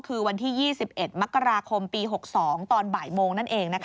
คือวันที่๒๑มกราคมปี๖๒ตอนบ่ายโมงนั่นเอง